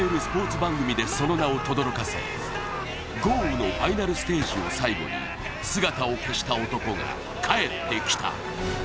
番組でその名を轟かせ豪雨のファイナルステージを最後に姿を消した男が帰ってきた。